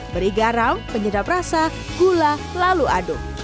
beri garam penyedap rasa gula lalu aduk